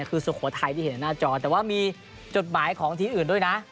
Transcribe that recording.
คือสุโขทัยที่เห็นหน้าจอแต่ว่ามีจดหมายของทีมอื่นด้วยนะ